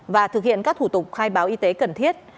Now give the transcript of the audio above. và thực hiện các thủ tục khai báo y tế cần thiết